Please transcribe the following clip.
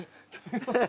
ハハハ！